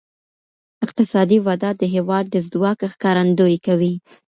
اقتصادي وده د هېواد د ځواک ښکارندویي کوي.